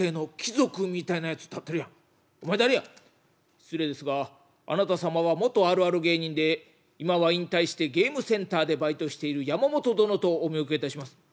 「失礼ですがあなた様は元あるある芸人で今は引退してゲームセンターでバイトしている山本殿とお見受けいたします」。